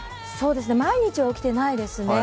毎日は起きてないですね。